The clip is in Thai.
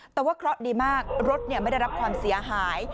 แต่ว่าเคราะห์ดีมากรถไม่ได้รับความเสียหาย